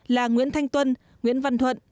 là nguyễn thanh tuân nguyễn văn thuận